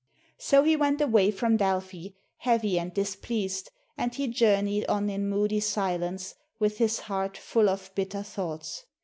So he went away from Delphi, heavy and displeased, and he journeyed on in moody silence, with his heart full of bitter thoughts.